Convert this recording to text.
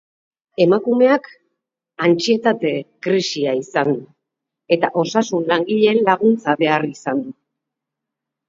Emakumeak antsietate krisia izan du, eta osasun langileen laguntza behar izan du.